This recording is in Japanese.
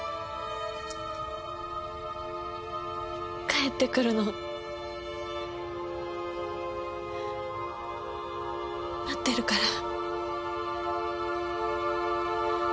帰ってくるの待ってるから。